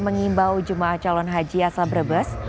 mengimbau jemaah calon haji asal brebes